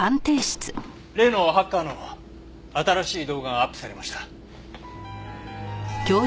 例のハッカーの新しい動画がアップされました。